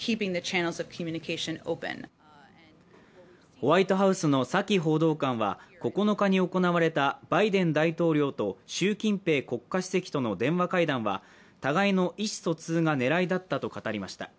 ホワイトハウスのサキ報道官は９日に行われたバイデン大統領と習近平国家主席との電話会談は、互いの意思疎通が狙いだったと語りました。